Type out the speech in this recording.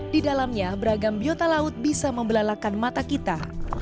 di dalamnya beragam biota laut bisa membelalakan mata kita